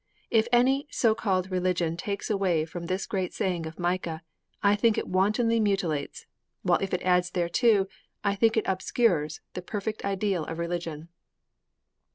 _" If any so called religion takes away from this great saying of Micah, I think it wantonly mutilates, while if it adds thereto, I think it obscures, the perfect ideal of religion.'